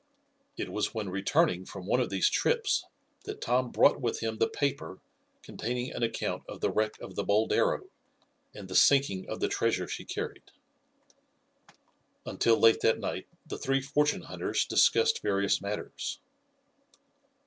It was when returning from one of these trips that Tom brought with him the paper containing an account of the wreck of the Boldero and the sinking of the treasure she carried. Until late that night the three fortune hunters discussed various matters.